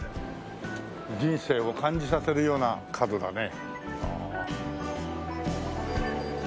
人生を感じさせるような角だね。